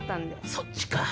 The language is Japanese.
そっちか。